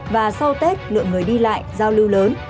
và sau tết lượng người đi lại giao lưu lớn